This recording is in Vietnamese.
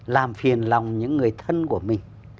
làm phiền lòng những người thân của mình